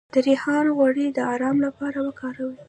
د ریحان غوړي د ارام لپاره وکاروئ